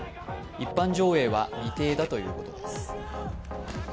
一般上映は未定だということです。